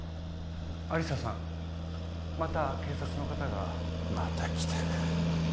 亜理紗さんまた警察の方がまた来たか